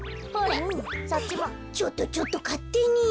ちょっとちょっとかってに。